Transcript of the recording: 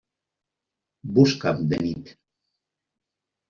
Busca'm de nit.